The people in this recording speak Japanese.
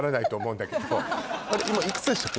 今いくつでしたっけ？